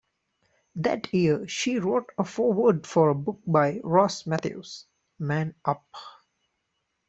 That year she wrote a foreword for a book by Ross Matthews, Man Up!